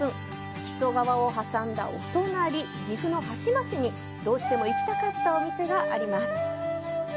木曽川を挟んだお隣、岐阜の羽島市にどうしても行きたかった店があります。